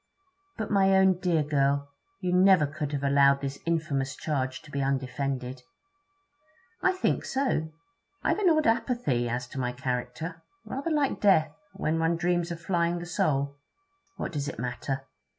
'But, my own dear girl, you never could have allowed this infamous charge to be undefended?' 'I think so. I've an odd apathy as to my character; rather like death, when one dreams of flying the soul. What does it matter?